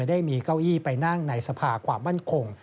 ได้มีเก้าอี้ไปนั่งในสภาความมั่นคง